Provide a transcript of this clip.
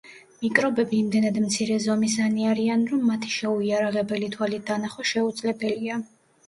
მიკრობები იმდენად მცირე ზომისანი არიან რომ, მათი შეუიარაღებელი თვალით დანახვა შეუძლებელია.